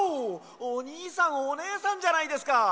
おにいさんおねえさんじゃないですか！